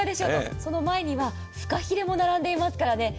その前にはフカヒレも並んでますからね。